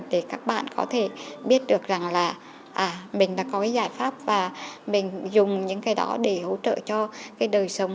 để các bạn có thể biết được rằng là mình đã có cái giải pháp và mình dùng những cái đó để hỗ trợ cho cái đời sống